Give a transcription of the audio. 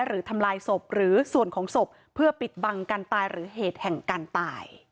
เรื่องทางคดีนะคะ